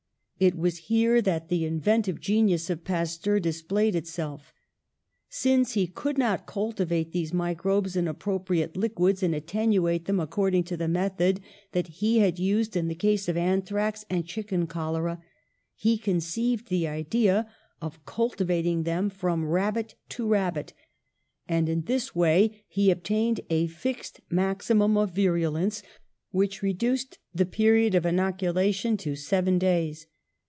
It was here that the inventive genius of Pasteur displayed itself. Since he could not cultivate these microbes in appropriate liquids and attenuate them ac cording to the method that he had used in the case of anthrax and chicken cholera, he con ceived the idea of cultivating them from rabbit to rabbit, and in this way he obtained a fixed maximum of virulence which reduced the period of inoculation to seven days.